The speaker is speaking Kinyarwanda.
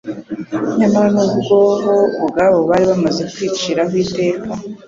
Nyamara, nubwo bo ubwabo bari bamaze kwiciraho iteka,